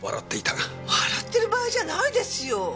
笑ってる場合じゃないですよ！